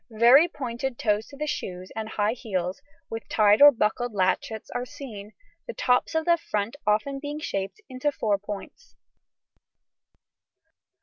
Very pointed toes to the shoes, and high heels, with tied or buckled latchets, are seen, the tops of the front often being shaped into four points.